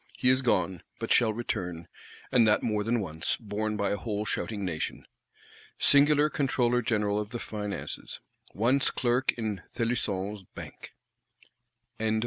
He is gone; but shall return, and that more than once, borne by a whole shouting Nation. Singular Controller General of the Finances; once Clerk in Thelusson's Bank! Chapter 1.